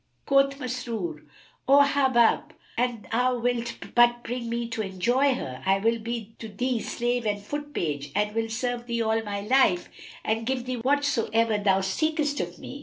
Quoth Masrur, "O Hubub, an thou wilt but bring me to enjoy her, I will be to thee slave and foot page and will serve thee all my life and give thee whatsoever thou seekest of me."